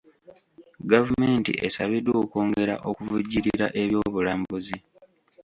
Gavumenti esabiddwa okwongera okuvujjirira eby'obulambuzi.